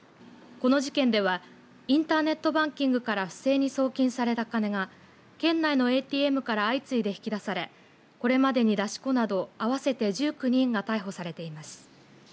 この事件ではインターネットバンキングから不正に送金された金が県内のＡＴＭから相次いで引き出されこれまでに出し子など合わせて１９人が逮捕されています。